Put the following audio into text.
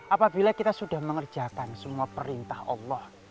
apabila kita sudah mengerjakan semua perintah allah